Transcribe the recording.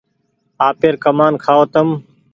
آپير ڪمآن کآئو تم